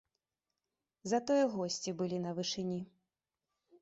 Затое госці былі на вышыні.